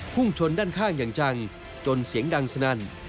พุ่งชนด้านข้างอย่างจังจนเสียงดังสนั่น